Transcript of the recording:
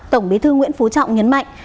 tổng bí thư nguyễn phú trọng nhấn mạnh